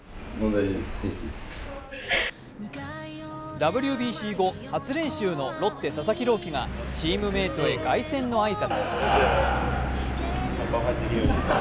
ＷＢＣ後、初練習のロッテ・佐々木朗希がチームメートへ凱旋の挨拶。